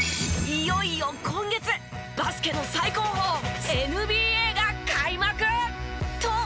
いよいよ今月バスケの最高峰ＮＢＡが開幕！